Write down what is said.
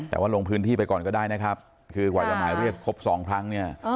แต่ว่าลงพื้นที่ไปก่อนก็ได้นะครับคือกว่าจะหมายเรียกครบสองครั้งเนี่ย